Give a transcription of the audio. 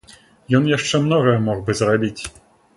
Ён яшчэ многае мог бы зрабіць.